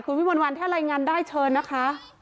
คุณวิมวันวันถ้าไรงั้นได้เชิญนะคะ